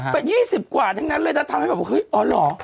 เป็น๒๐กว่าทั้งนั้นเลยนะทำให้แบบเฮ้ยอ๋อเหรอ